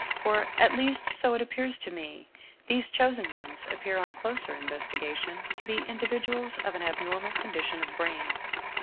For, at least so it appears to me, these chosen ones appear on closer in vestigation to be individuals of an abnormal condition of brain.